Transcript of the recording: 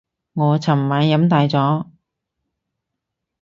我尋晚飲大咗